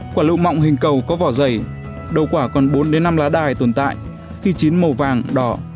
quả lựu mạng hình cầu có vỏ dày đầu quả còn bốn năm lá đài tồn tại khi chín màu vàng đỏ